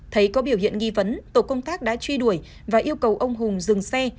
thấy có biểu hiện nghi vấn tổ công tác đã truy đuổi và yêu cầu ông hùng dừng xe